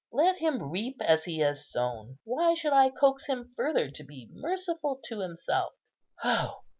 Let him reap as he has sown; why should I coax him further to be merciful to himself?